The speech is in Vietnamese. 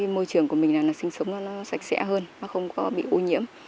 môi trường của mình sinh sống nó sạch sẽ hơn nó không có bị ô nhiễm